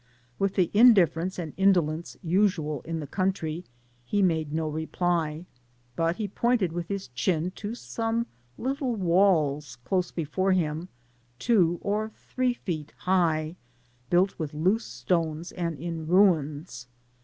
With the indifference and indol^ce usual in the country, he made no reply, but pointed with his chin to some little walls close before him, two or three feet high, built with loose stones, and in ruins.